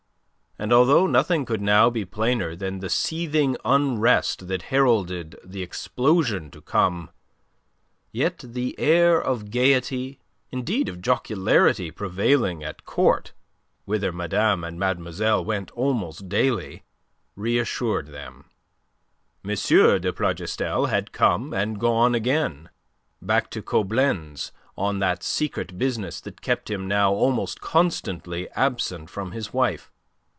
And although nothing could now be plainer than the seething unrest that heralded the explosion to come, yet the air of gaiety, indeed of jocularity, prevailing at Court whither madame and mademoiselle went almost daily reassured them. M. de Plougastel had come and gone again, back to Coblenz on that secret business that kept him now almost constantly absent from his wife.